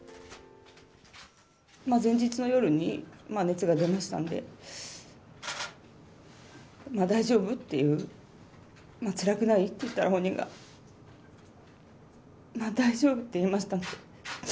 前日の夜に熱が出ましたんで、大丈夫？っていう、つらくない？って言ったら、本人が、大丈夫と言いましたね。